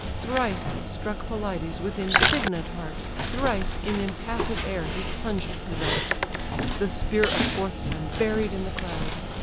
Thrice struck Pelides with indignant heart, Thrice in impassive air he plunged the dart; The spear a fourth time buried in the cloud.